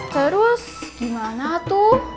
terus gimana tuh